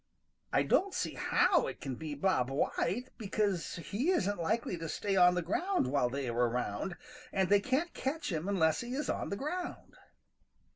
I don't see how it can be Bob White, because he isn't likely to stay on the ground while they are around, and they can't catch him unless he is on the ground."